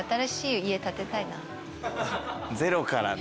ゼロからね。